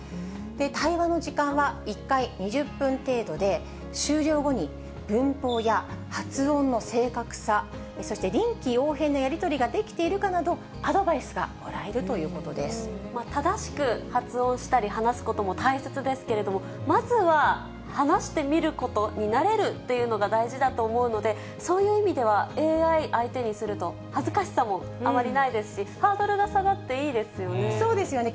対話の時間は１回２０分程度で、終了後に文法や発音の正確さ、そして、臨機応変なやり取りができているかなど、アドバイスがもらえると正しく発音したり話すことも大切ですけれども、まずは話してみることに慣れるというのが大事だと思うので、そういう意味では、ＡＩ相手にすると恥ずかしさもあまりないですし、ハードルが下がそうですよね。